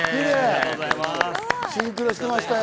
シンクロしてましたよ。